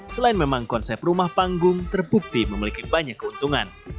selain memang konsep rumah panggung terbukti memiliki banyak keuntungan